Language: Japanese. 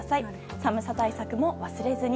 寒さ対策も忘れずに。